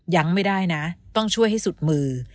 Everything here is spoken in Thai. ยังไม่ได้นะต้องช่วยให้สุดมือ